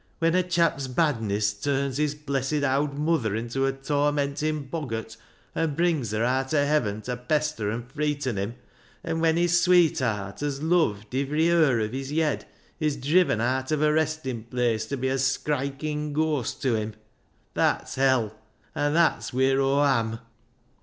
When a chap's badniss turns his blessed owd muther into a tormenting boggart, an' brings her aat o' heaven ta pester an' freeten him ; an' when his sweetheart, as luved ivery hur o' his yed is driven aat of her restin' place ta be a skriking ghooast tew him, that's hell. An' that's wheer Aw am."